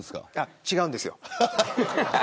違うんですよ。